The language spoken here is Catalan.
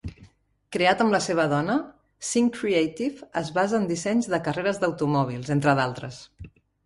Creat amb la seva dona, "Sinch Creative" es basa en dissenys de carreres d'automòbils entre d'altres.